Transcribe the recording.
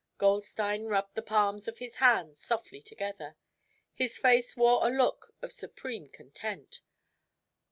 Goldstein rubbed the palms of his hands softly together. His face wore a look of supreme content.